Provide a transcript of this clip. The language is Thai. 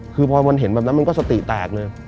คือพอมันเห็นแบบนั้นมันก็สติแตกเลย